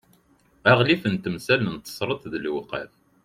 aɣlif n temsal n tesreḍt d lewqaf